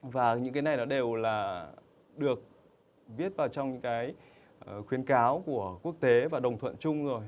và những cái này nó đều là được viết vào trong những cái khuyến cáo của quốc tế và đồng thuận chung rồi